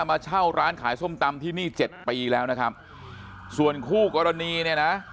มาเช่าร้านขายส้มตำที่นี่เจ็ดปีแล้วนะครับส่วนคู่กรณีเนี่ยนะ